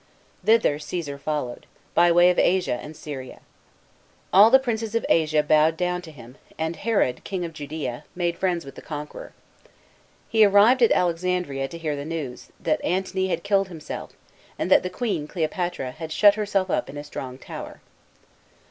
Thither Ctesar followed, by way of Asia and Syria. All the princes of Asia bowed down to him, and Herod, King of Judea, made friends with the conqueror. He arrived at Alexandria, to hear the news, that Antony had killed himself, and that the queen, Cleopatra, had shut herself up in a strong tower.